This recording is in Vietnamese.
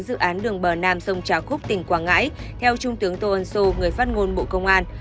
dự án đường bờ nam sông trà khúc tỉnh quảng ngãi theo trung tướng tô ân sô người phát ngôn bộ công an